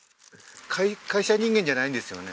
会社人間じゃないんですよね